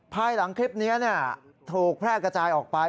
ภายหลังคลิปนี้ถูกแพร่กระจายออกไป